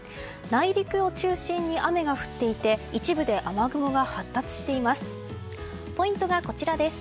内陸を中心に雨が降っていて一部で雨雲が発達しています。